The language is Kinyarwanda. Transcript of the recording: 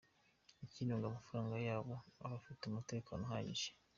Ikindi ngo amafaranga yabo aba afite umutekano uhagije.